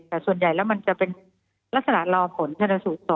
แต่ส่วนใหญ่แล้วมันจะเป็นลักษณะรอผลชนสูตรต่อ